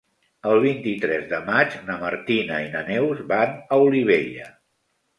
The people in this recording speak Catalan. El vint-i-tres de maig na Martina i na Neus van a Olivella.